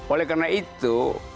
oleh karena itu